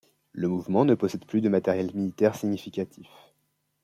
Le mouvement ne possède plus de matériel militaire significatif.